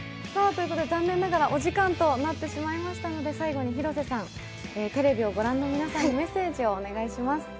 残念ながらお時間となってしまいましたので最後に広瀬さん、テレビをご覧の皆さんにメッセージをお願いします。